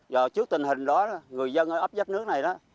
giờ trước tình hình đó người dân ở ấp dắt nước này